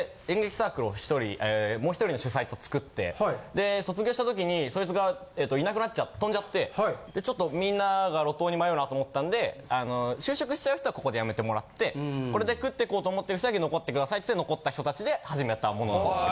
もう１人の主宰と作って。で卒業した時にそいつがいなく飛んじゃってちょっとみんなが路頭に迷うなと思ったんで就職しちゃう人はここでやめてもらってこれで食ってこうと思ってる人だけ残って下さいって残った人達で始めたものなんです。